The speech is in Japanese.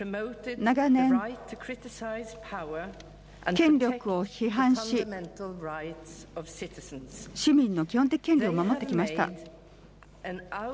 長年、権力を批判し市民の基本的権利を守ってきました。